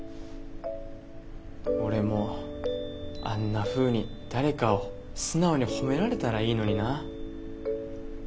俺もあんなふうに誰かを素直に褒められたらいいのにな。